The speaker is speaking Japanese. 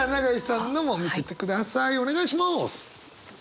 お願いします！